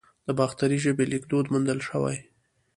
د باختري ژبې لیکدود موندل شوی